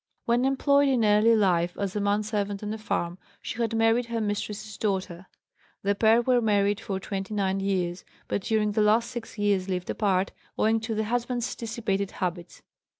When employed in early life as a manservant on a farm, she had married her mistress's daughter. The pair were married for twenty nine years, but during the last six years lived apart, owing to the "husband's" dissipated habits.